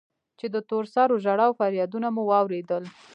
چې د تور سرو ژړا و فريادونه مو واورېدل.